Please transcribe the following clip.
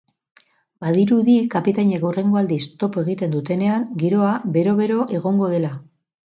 Badirudi kapitainek hurrengo aldiz topo egiten dutenean giroa bero-bero egongo dela.